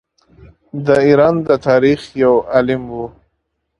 د ایران د تاریخ یو عالم وو.